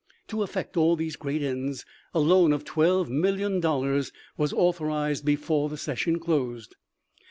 To effect all these great ends, a loan of twelve million dollars was authorized before the session closed.